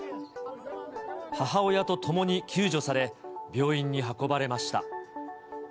母親と共に救助され、病院に運ばれました。